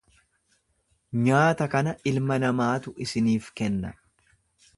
Nyaata kana Ilma Namaatu isiniif kenna.